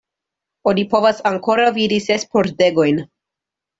Oni povas ankoraŭ vidi ses pordegojn.